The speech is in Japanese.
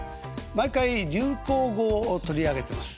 毎回流行語を取り上げてます。